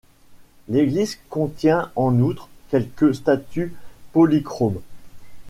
L’église contient en outre quelques statues polychromes.